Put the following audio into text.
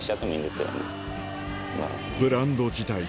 ブランド自体